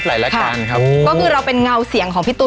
ที่ไหนบ้างครับลองดู